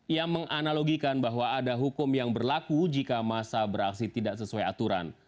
ia menganalogikan bahwa ada hukum yang berlaku jika masa beraksi tidak sesuai aturan